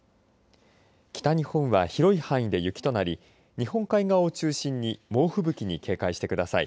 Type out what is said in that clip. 北日本は広い範囲で雪となり日本海側を中心に猛吹雪に警戒してください。